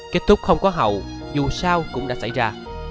kết thúc không có hậu dù sao cũng đã xảy ra